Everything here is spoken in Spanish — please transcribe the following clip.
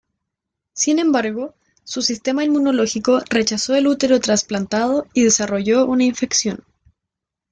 Sin embargo, su sistema inmunológico rechazó el útero trasplantado y desarrolló una infección.